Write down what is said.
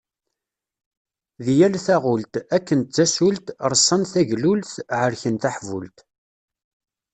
Di yal taɣult, akken d tasult, ṛeṣṣan taglult, ɛerken taḥbult.